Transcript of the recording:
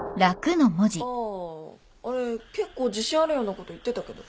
あああれ結構自信あるようなこと言ってたけど。